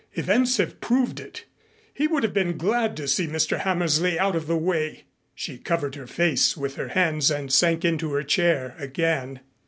Events have proved it. He would have been glad to see Mr. Hammersley out of the way." She covered her face with her hands and sank into her chair again.